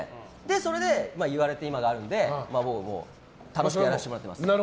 それで今があるので楽しくやらせてもらっています。